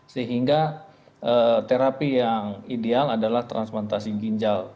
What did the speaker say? sehingga terapi yang ideal adalah transplantasi ginjal